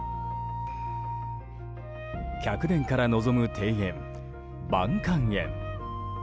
客殿から望む庭園、盤桓園。